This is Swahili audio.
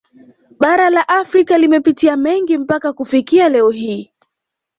Bara la Afrika limepitia mengi mpaka kufikia leo hii